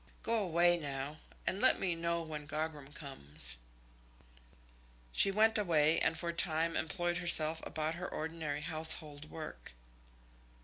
Go away now, and let me know when Gogram comes." She went away, and for a time employed herself about her ordinary household work.